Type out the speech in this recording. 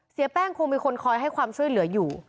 เสียแป้งคงมีคนคอยให้ความช่วยเหลืออยู่